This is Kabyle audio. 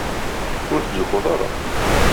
Ur ttzuxxut ara.